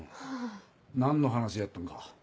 何の話やったんか。